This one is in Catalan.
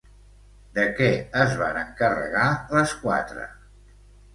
De què es van encarregar les quatre?